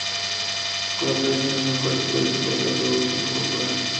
Su cola prensil es muy fuerte y puede soportar todo el peso corporal.